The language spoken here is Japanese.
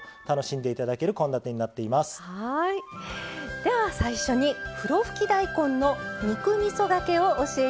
では最初にふろふき大根の肉みそがけを教えて頂きます。